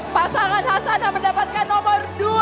pasangan hasanah mendapatkan nomor dua